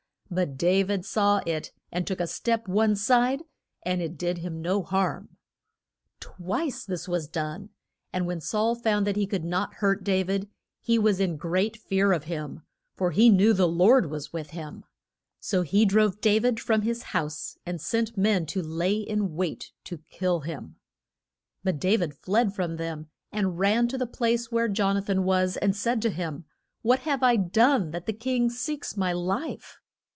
But Da vid saw it and took a step one side, and it did him no harm. Twice was this done, and when Saul found that he could not hurt Da vid, he was in great fear of him, for he knew the Lord was with him. So he drove Da vid from his house, and sent men to lay in wait to kill him. [Illustration: JON A THAN AND DA VID.] But Da vid fled from them and ran to the place where Jon a than was, and said to him, What have I done that the king seeks my life?